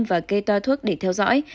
và kê toa thuốc để theo dõi